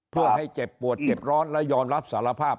เพื่อให้เจ็บปวดเจ็บร้อนและยอมรับสารภาพ